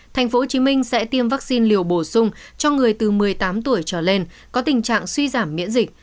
tp hcm sẽ tiêm vaccine liều bổ sung cho người từ một mươi tám tuổi trở lên có tình trạng suy giảm miễn dịch